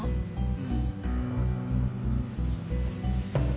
うん。